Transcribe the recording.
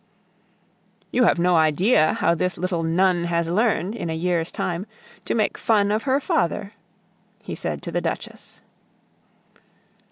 "You have no idea how this little nun has learned, in a year's time, to make fun of her father," he said to the Duchess.